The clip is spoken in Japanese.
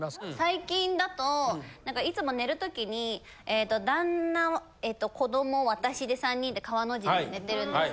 最近だといつも寝る時に旦那子ども私で３人で川の字で寝てるんです。